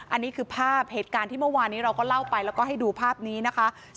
อันนี้คือภาพเหตุการณ์ที่เมื่อวานนี้เราก็เล่าไปแล้วก็ให้ดูภาพนี้นะคะ